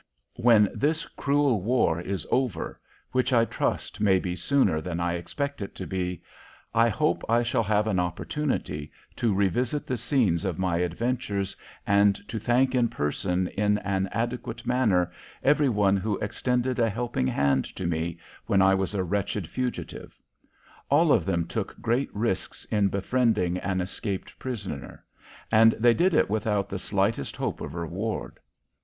When this cruel war is over which I trust may be sooner than I expect it to be I hope I shall have an opportunity to revisit the scenes of my adventures and to thank in person in an adequate manner every one who extended a helping hand to me when I was a wretched fugitive. All of them took great risks in befriending an escaped prisoner, and they did it without the slightest hope of reward.